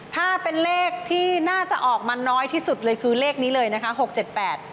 ถ้าเป็นเลขที่น่าจะออกมาน้อยที่สุดเลยคือเลขนี้เลยนะคะหกเจ็ดแปด